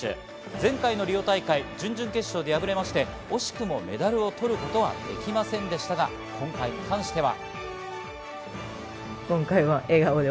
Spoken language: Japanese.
前回のリオ大会準々決勝で敗れまして、惜しくもメダルを取ることはできませんでしたが、今回に関しては。